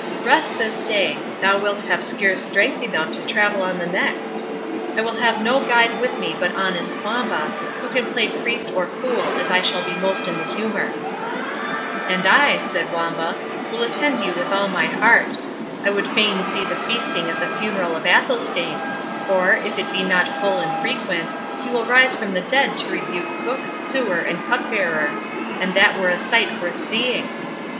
"Rest this day; thou wilt have scarce strength enough to travel on the next. I will have no guide with me but honest Wamba, who can play priest or fool as I shall be most in the humour." "And I," said Wamba, "will attend you with all my heart. I would fain see the feasting at the funeral of Athelstane; for, if it be not full and frequent, he will rise from the dead to rebuke cook, sewer, and cupbearer; and that were a sight worth seeing.